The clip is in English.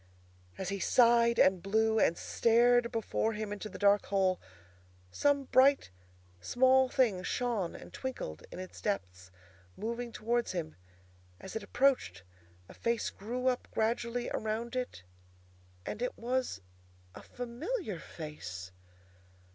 As he sighed and blew and stared before him into the dark hole, some bright small thing shone and twinkled in its depths, moving towards him. As it approached, a face grew up gradually around it, and it was a familiar face!